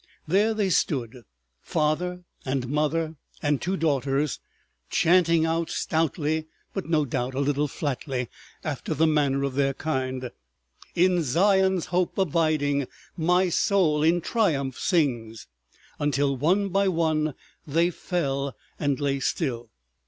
There they stood, father and mother and two daughters, chanting out stoutly, but no doubt a little flatly after the manner of their kind— "In Zion's Hope abiding, My soul in Triumph sings—" until one by one they fell, and lay still.